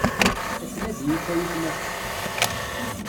Akken ad iyi-tawi tnafa.